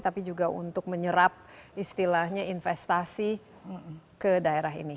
tapi juga untuk menyerap istilahnya investasi ke daerah ini